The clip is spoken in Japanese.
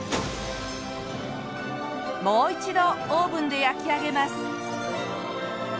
もう一度オーブンで焼き上げます。